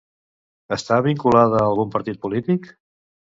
Està vinculada a algun partit polític?